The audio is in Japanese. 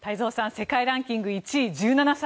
世界ランキング１位、１７歳。